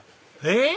えっ！